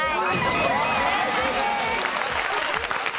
正解です！